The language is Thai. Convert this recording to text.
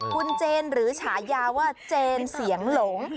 คุณเจนหรือฉายาว่าเจนเสียงหลง